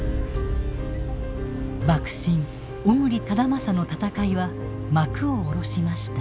幕臣小栗忠順の戦いは幕を下ろしました。